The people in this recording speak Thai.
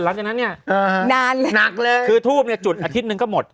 แล้วจาเนี้ยอาฮะนานนักเลยคือทูบเนี่ยจุดอาทิตย์หนึ่งก็หมด